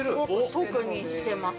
特にしてます。